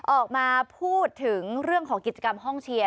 ออกมาพูดถึงเรื่องของกิจกรรมห้องเชียร์